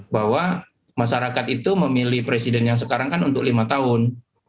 bahwa masyarakat itu memilih presiden yang sekarang kan untuk lima tahun